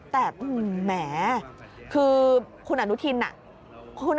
แต่แหมคือคุณอนุทินอ่ะ